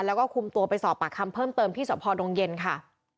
แล้วก็คุมตัวไปสอบปากคำเพิ่มเติมที่สพดงเย็นค่ะ